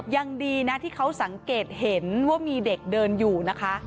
ยังดีนะที่เขาสังเกตเห็นว่ามีเด็กเดินอยู่นะคะ